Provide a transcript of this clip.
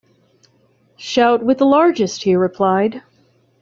‘Shout with the largest,’ he replied.